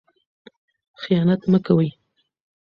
خیانت مه کوئ.